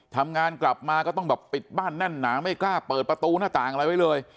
ทำงานกลับมาก็ต้องแบบปิดบ้านแน่นหนาไม่กล้าเปิดประตูหน้าต่างอะไรไว้เลย